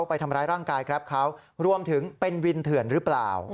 ไปทำร้ายร่างกายแกรปเขารวมถึงเป็นวินเถื่อนหรือเปล่า